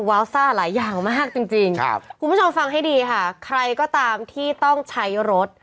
วาวซ่าหลายอย่างมากจริงครับคุณผู้ชมฟังให้ดีค่ะใครก็ตามที่ต้องใช้รถ